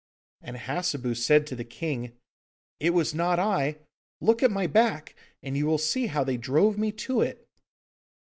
And Hassebu said to the King: 'It was not I: look at my back and you will see how they drove me to it.